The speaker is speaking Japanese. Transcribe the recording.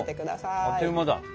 あっという間だ。